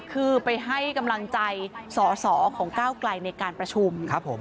คือไปให้กำลังใจสอสอของก้าวไกลในการประชุมครับผม